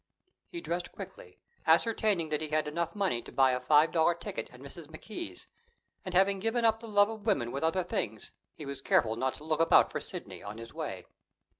He dressed quickly, ascertaining that he had enough money to buy a five dollar ticket at Mrs. McKee's; and, having given up the love of woman with other things, he was careful not to look about for Sidney on his way.